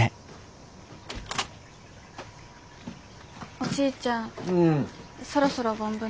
おじいちゃんそろそろ盆船。